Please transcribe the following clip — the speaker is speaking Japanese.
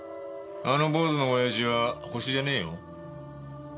あの坊主の親父はホシじゃねえよ。